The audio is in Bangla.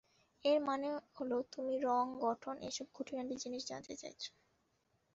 এর মানে হলো তুমি রঙ, গঠন, এসব খুঁটিনাটি জিনিস জানতে চাইছ।